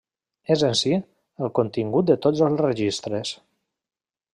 És en si, el contingut de tots els registres.